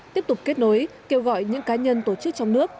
tiếp tục kết nối kêu gọi những cá nhân tổ chức trong nước